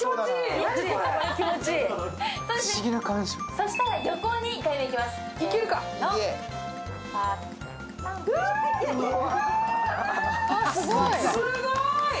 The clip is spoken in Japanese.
そしたら横に２回目いきます。